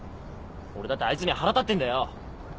俺だってあいつには腹立ってんだよ！